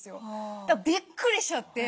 びっくりしちゃって。